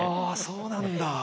あそうなんだ。